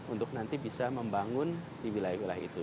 untuk nanti bisa membangun di wilayah wilayah itu